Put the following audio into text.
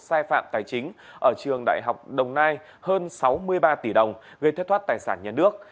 sai phạm tài chính ở trường đại học đồng nai hơn sáu mươi ba tỷ đồng gây thất thoát tài sản nhà nước